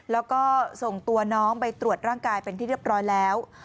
แล้วก็ส่งตัวน้องไปตรวจร่างกายเป็นที่เรียบร้อยแล้ว